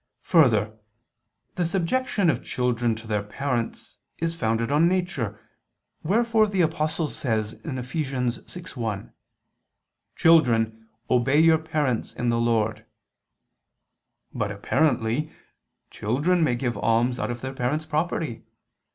3: Further, the subjection of children to their parents is founded on nature, wherefore the Apostle says (Eph. 6:1): "Children, obey your parents in the Lord." But, apparently, children may give alms out of their parents' property.